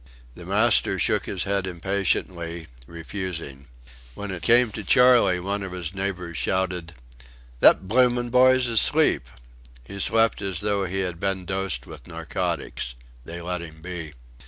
The master shook his head impatiently, refusing. When it came to Charley one of his neighbours shouted: "That bloom in' boy's asleep." He slept as though he had been dosed with narcotics. They let him be.